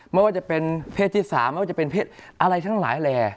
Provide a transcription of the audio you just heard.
ไม่ว่าจะเป็นเพศที่๓ไม่ว่าจะเป็นเพศอะไรทั้งหลายแหล่